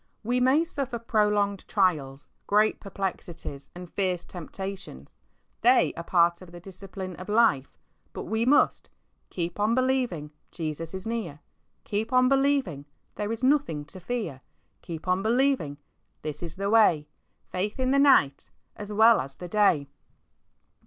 We may suffer prolonged trials, great perplexities, and fierce temptations — they are a part of the discipline of life — but we must Keep on believing, Jesus is near. Keep on believing, there's nothing to fear ; Keep on believing, this is the way, Faith in the night as well as the day.